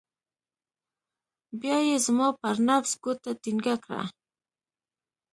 بيا يې زما پر نبض گوته ټينګه کړه.